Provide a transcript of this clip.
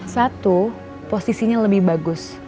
satu posisinya lebih bagus